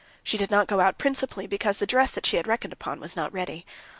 She did not go out principally because the dress she had reckoned upon was not ready.